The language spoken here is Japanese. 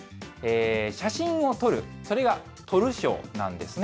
写真を撮る、それが撮る将なんですね。